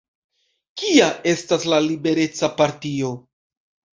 Kia estas la Libereca Partio?